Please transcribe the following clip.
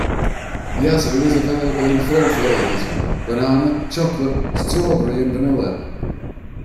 Yazoo is available in four flavours; banana, chocolate, strawberry and vanilla.